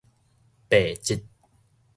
白質